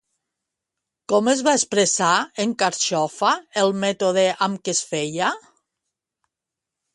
Com va expressar, en Carxofa, el mètode amb què es feia?